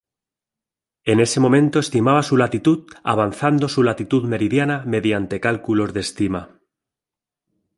En ese momento estimaba su latitud avanzando su latitud meridiana mediante cálculos de estima.